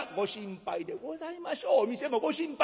お店もご心配。